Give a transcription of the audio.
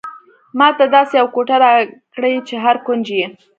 ماته داسې یوه کوټه راکړئ چې هر کونج یې.